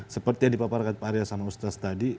seperti yang dipaparkan pak arya sama ustaz tadi